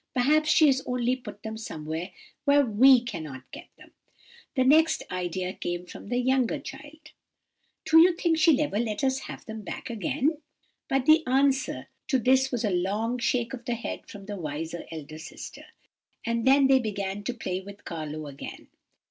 'Perhaps she has only put them somewhere where we cannot get at them.' "The next idea came from the younger child:— "'Do you think she'll ever let us have them back again?' "But the answer to this was a long shake of the head from the wiser elder sister. And then they began to play with Carlo again.